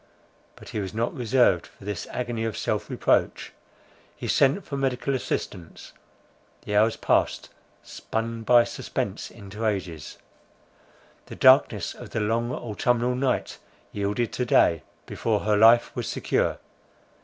But he was not reserved for this agony of self reproach. He sent for medical assistance; the hours passed, spun by suspense into ages; the darkness of the long autumnal night yielded to day, before her life was secure.